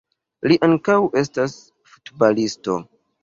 Li ankaŭ estas futbalisto.